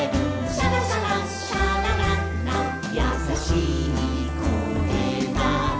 「シャラシャラシャラララやさしい声だね」